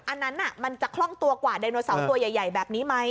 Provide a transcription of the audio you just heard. อันนั้นมันจะคล่องตัวกว่าไดโนเสาร์ตัวใหญ่แบบนี้ไหม